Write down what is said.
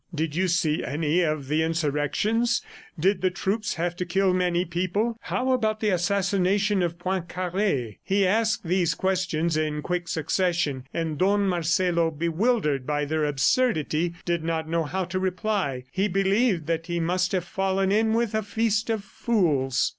"Did you see any of the insurrections? ... Did the troops have to kill many people? How about the assassination of Poincare? ..." He asked these questions in quick succession and Don Marcelo, bewildered by their absurdity, did not know how to reply. He believed that he must have fallen in with a feast of fools.